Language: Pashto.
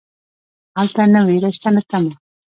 هلته نه ویره شته نه تمه.